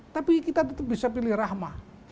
tapi kita tetap bisa pilih rahma